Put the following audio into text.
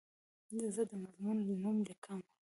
زه د مضمون نوم لیکم.